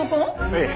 ええ。